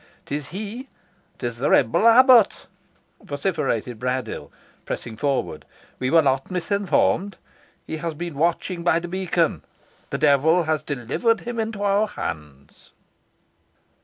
"'Tis he! 'tis the rebel abbot!" vociferated Braddyll, pressing forward. "We were not misinformed. He has been watching by the beacon. The devil has delivered him into our hands."